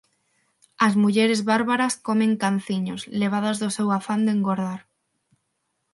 As mulleres bárbaras comen canciños, levadas do seu afán de engordar.